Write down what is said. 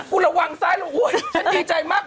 กูระวังซ้ายชั้นดีใจมาก